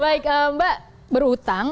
baik mbak berutang